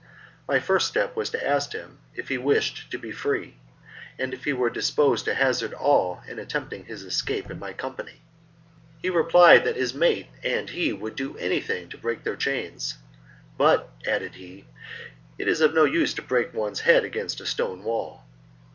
My first step was to ask him if he wished to be free, and if he were disposed to hazard all in attempting his escape in my company. He replied that his mate and he would do anything to break their chains, but, added he, "it is of no use to break one's head against a stone wall."